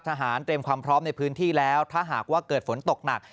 เตรียมความพร้อมในพื้นที่แล้วถ้าหากว่าเกิดฝนตกหนัก